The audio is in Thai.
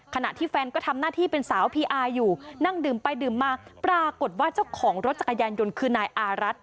ขณะที่แฟนก็ทำหน้าที่เป็นสาวพีอาร์อยู่นั่งดื่มไปดื่มมาปรากฏว่าเจ้าของรถจักรยานยนต์คือนายอารัฐ